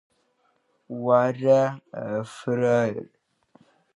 Уара, афраер…